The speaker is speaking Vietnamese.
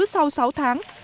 sau sáu tháng